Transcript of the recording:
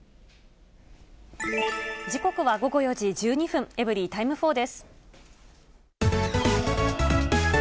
時刻は午後４時１２分、エブリィタイム４です。